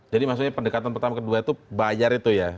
jadi maksudnya pendekatan pertama kedua itu bayar itu ya